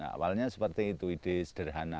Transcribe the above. awalnya seperti itu ide sederhana